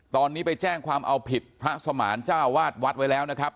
ตอนนี้ไปแจ้งความเอาผิดพระสมานเจ้าวาดวัดไว้แล้วนะครับ